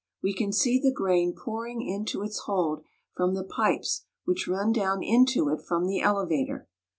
We can see the grain pouring into its hold from the pipes which run down into it from the elevator.